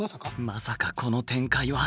まさかこの展開は。